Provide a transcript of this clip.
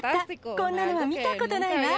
こんなのは見たことないわ。